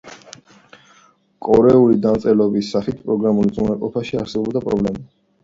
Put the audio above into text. კორეული დამწერლობის სახით პროგრამულ უზრუნველყოფაში არსებობდა პრობლემა.